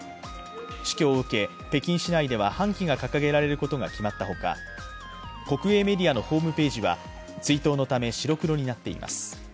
死去を受け、北京市内では半旗が掲げられることが決まったほか、国営メディアのホームページは追悼のため白黒になっています。